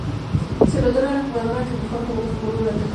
Se le otorga a la jugadora que mejor jugo fútbol durante el torneo.